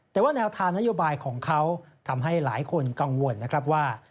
แต่ว่าแนวทางนโยบายของเขาทำให้หลายคนกังวลนะครับว่า